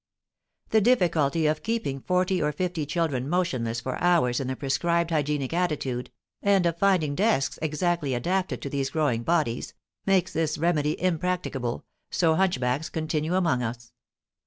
The difficulty of keeping forty or fifty children motionless for hours in the prescribed hygienic attitude, and of finding desks exactly adapted to these growing bodies, makes this remedy impracticable, so hunchbacks continue among us.